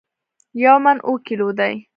یو من اوو کیلو دي